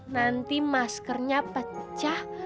nanti maskernya pecah